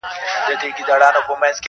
هغه لمرونو هغه واورو آزمېیلی چنار-